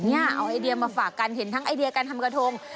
เอาไอเดียมาฝากกันเห็นทั้งไอเดียการทำกระทง